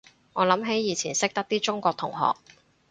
我諗起以前識得啲中國同學